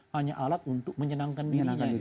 hanya alat untuk menyenangkan dirinya